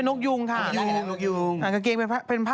เธอยืนจริงหรือคะ